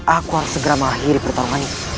aku harus segera mengakhiri pertarungan ini